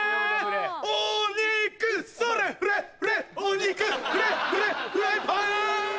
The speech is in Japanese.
フレフレお肉フレフレフライパン！